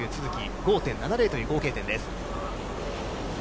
５．７０という合計点です。